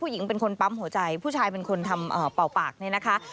ผู้หญิงเป็นคนปั๊มหัวใจผู้ชายเป็นคนทำเป่าปากนี่นะคะ